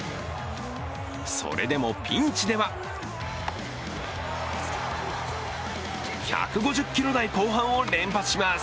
それでもピンチでは１５０キロ台後半を連発します。